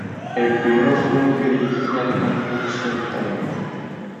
El primero fue uno que dirigía Alejandro Michel Talento.